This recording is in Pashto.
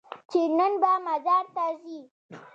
چې نن به مزار ته ځې؟